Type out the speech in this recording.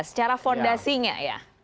secara fondasi nya ya